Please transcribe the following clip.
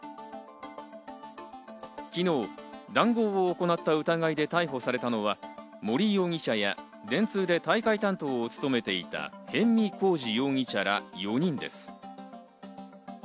昨日、談合を行った疑いで逮捕されたのは森容疑者や、電通で大会担当を務めていた逸見晃治容疑者ら４人です。